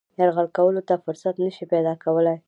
یرغل کولو ته فرصت نه شي پیدا کولای.